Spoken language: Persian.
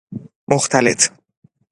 مختلط